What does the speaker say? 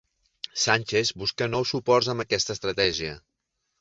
Sánchez busca nous suports amb aquesta estratègia